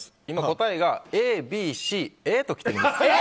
今、答えがＡ、Ｂ、Ｃ、Ａときているんです。